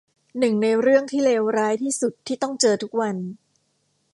หนึ่งในเรื่องที่เลวร้ายที่สุดที่ต้องเจอทุกวัน